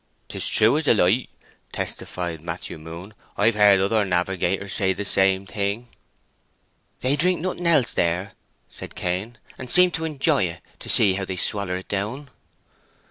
"'Tis true as the light," testified Matthew Moon. "I've heard other navigators say the same thing." "They drink nothing else there," said Cain, "and seem to enjoy it, to see how they swaller it down."